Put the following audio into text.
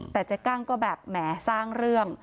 แต่เจ๊กั้งก็แบบแหมสร้างเรื่อง